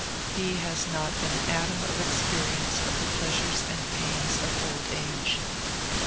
He has not an atom of experi ence of the pleasures and pains of old age."